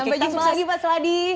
sampai jumpa lagi pak sladin